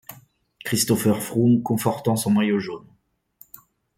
Christopher Froome confortant son maillot jaune.